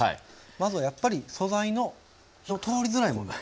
まずはやっぱり素材の火の通りづらいもの。